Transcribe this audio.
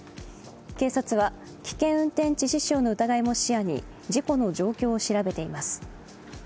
警察は危険運転致死傷の疑いも視野に事故の状況を調べています。